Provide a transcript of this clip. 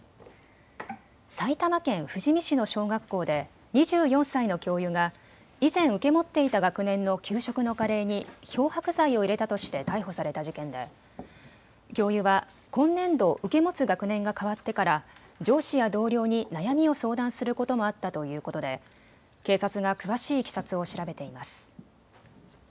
埼玉県富士見市の小学校で２４歳の教諭が以前受け持っていた学年の給食のカレーに漂白剤を入れたとして逮捕された事件で教諭は今年度、受け持つ学年がかわってから上司や同僚に悩みを相談することもあったということで警察が詳しいいきさつを調べています。